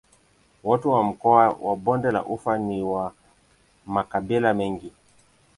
Watu wa mkoa wa Bonde la Ufa ni wa makabila mengi.